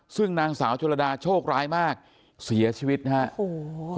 ซึ่งนางสาวโชลดาโชคร้ายมากเสียชีวิตฮะโห